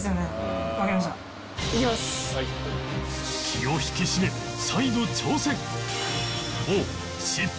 気を引き締め再度挑戦